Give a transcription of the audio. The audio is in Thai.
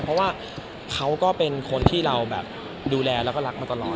เพราะว่าเขาก็เป็นคนที่เราแบบดูแลแล้วก็รักมาตลอด